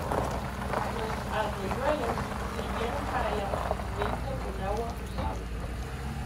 Los arroyuelos sirvieron para el abastecimiento con agua usable.